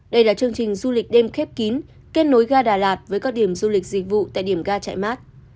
đây là chương trình du lịch đêm khép kín kết nối ga đà lạt với các điểm du lịch dịch vụ tại điểm ga chạy mát